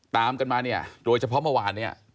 ตามกันมาเนี่ยโดยเฉพาะเมื่อวานเนี่ย